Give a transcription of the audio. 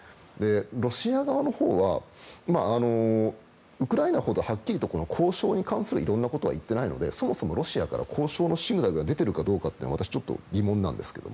ロシア側のほうはウクライナほどはっきりと交渉に関するいろんなことは言っていないのでそもそもロシアから交渉のシグナルが出ているかどうかというのは私はちょっと疑問なんですけど。